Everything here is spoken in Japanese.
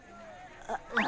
ああ。